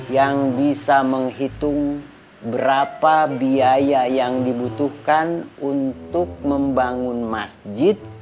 yang bisa menghitung berapa biaya yang dibutuhkan untuk membangun masjid